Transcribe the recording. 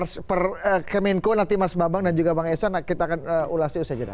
di perkeminian nanti mas mabang dan juga bang eson kita akan ulasin usai jadwal